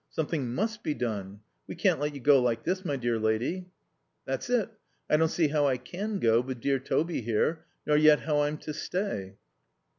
"Something must be done. We can't let you go like this, my dear lady." "That's it. I don't see how I can go, with dear Toby here. Nor yet how I'm to stay."